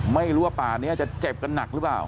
ไม่รู้ว่าป่านี้จะเจ็บกันหนักหรือเปล่า